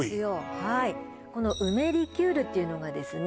はいこの梅リキュールっていうのがですね